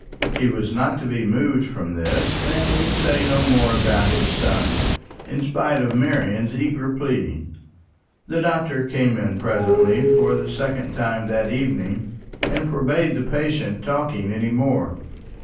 He was not to be moved from this, and would say no more about his son, in spite of Marian's earnest pleading. The doctor came in presently, for the second time that evening, and forbade his patient's talking any more.